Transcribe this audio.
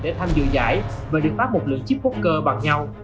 để tham dự giải và được phát một lượng chip bốc cơ bằng nhau